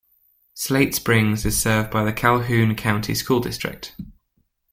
Slate Springs is served by the Calhoun County School District.